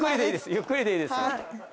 ゆっくりでいいです。